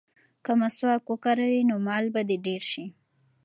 که مسواک وکاروې نو مال به دې ډېر شي.